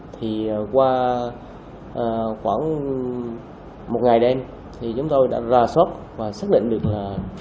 thì qua khoảng một ngày đêm thì chúng tôi đã ra sốt và xác định được là